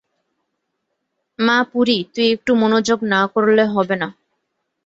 মা পুরি, তুই একটু মনোযোগ না করলে হবে না।